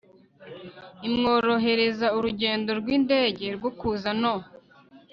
imworohereza urugendo rw indege rwo kuza no